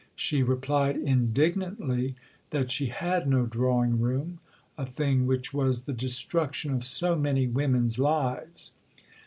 She replied indignantly that she had no drawing room; a thing which was "the destruction of so many women's lives."